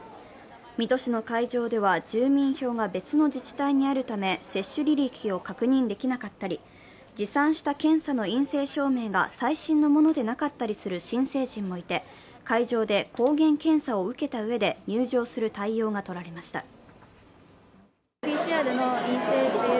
水戸市の会場では住民票が別の自治体にあるため接種履歴を確認できなかったり、持参した検査の陰性証明が最新のものでなかったりする新成人もいて会場で抗原検査を受けたうえで、入場する対応が取られました。